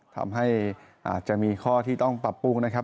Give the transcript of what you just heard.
ทำให้อาจจะมีข้อที่ต้องปรับปรุงนะครับ